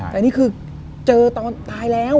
แต่นี่คือเจอตอนตายแล้ว